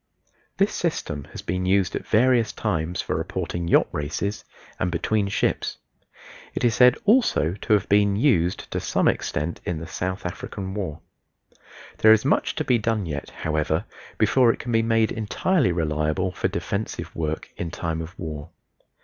This system has been used at various times for reporting yacht races, and between ships. It is said also to have been used to some extent in the South African War. There is much to be done yet, however, before it can be made entirely reliable for defensive work in time of war.